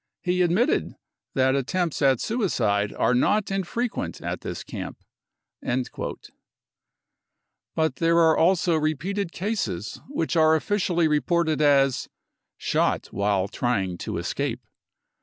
He admitted that attempts at suicide are not infre quent at this camp. 55 But there are also repeated cases which are officially reported as " shot while trying to escape.